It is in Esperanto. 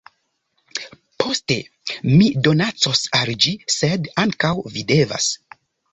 Poste, mi donacos al ĝi sed ankaŭ vi devas